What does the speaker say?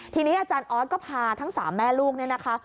ทีนี้อาจารย์ออสก็พาทั้ง๓แม่ลูกเนี่ยนะคะ